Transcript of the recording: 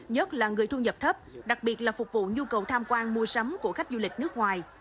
nhất là người thu nhập thấp đặc biệt là phục vụ nhu cầu tham quan mua sắm của khách du lịch nước ngoài